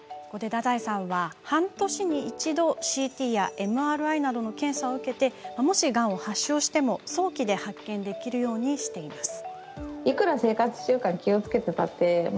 太宰さんは、半年に一度ＣＴやＭＲＩなどの検査を受けもし、がんを発症しても早期で発見できるようにしています。